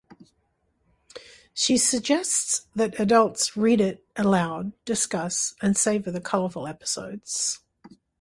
She suggests that adults Read it aloud, discuss and savor the colorful episodes.